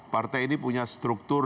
partai ini punya struktur